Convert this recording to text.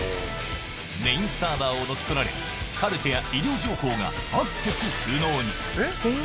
メインサーバーを乗っ取られ、カルテや医療情報がアクセス不能に。